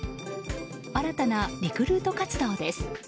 新たなリクルート活動です。